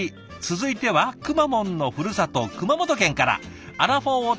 続いてはくまモンのふるさと熊本県から。